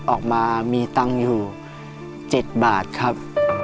ออกมามีตังค์อยู่๗บาทครับ